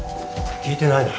聞いてないな。